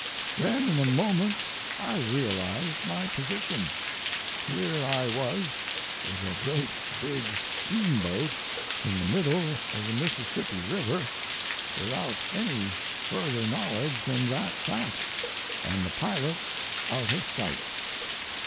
Then in a moment I realized my position. Here I was with a great big steamboat in the middle of the Mississippi River, without any further knowledge than that fact, and the pilot out of sight.